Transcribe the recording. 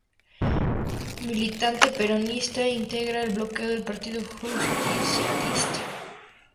Militante peronista, integra el bloque del Partido Justicialista.